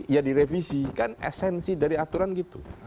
ya direvisikan esensi dari aturan gitu